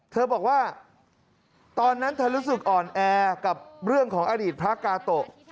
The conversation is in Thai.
เธอบอกว่าตอนนั้นเธอรู้สึกอ่อนแอกับเรื่องของอดีตพระกาโตะ